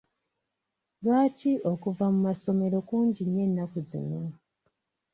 Lwaki okuva mu masomero kungi nnyo ennaku zino?